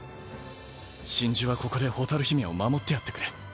真珠はここで蛍姫を守ってやってくれ。